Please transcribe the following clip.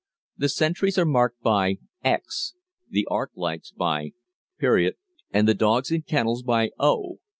The sentries are represented by ×, the arc lights by (·), and the dogs in kennels by "O."